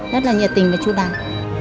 rất là nhiệt tình và chú đàng